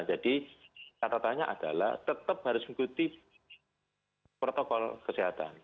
jadi catatannya adalah tetap harus mengikuti protokol kesehatan